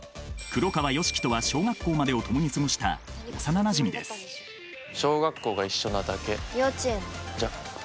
黒川良樹とは小学校までを共に過ごした幼なじみです小学校が一緒なだけ。